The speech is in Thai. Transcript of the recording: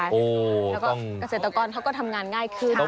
ใช่ถูกและก็กระเศรษฐกรเขาก็ทำงานง่ายขึ้น